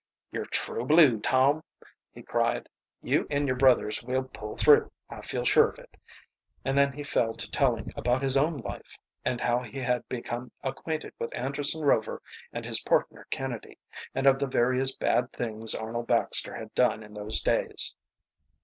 "You're true blue, Tom!" he cried. "You and your brothers will pull through, I feel sure of it." And then he fell to telling about his own life, and how he had become acquainted with Anderson Rover and his partner Kennedy, and of the various bad things Arnold Baxter had done in those days.